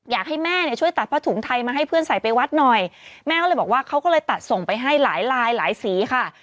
อยากให้แม่เนี่ยช่วยตัดผ้าถุงไทยมาให้เพื่อนใส่ไปวัดหน่อยแม่ก็เลยบอกว่าเขาก็เลยตัดส่งไปให้หลายลายหลายสีค่ะ